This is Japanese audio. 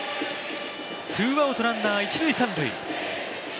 ツーアウトランナー、一塁三塁。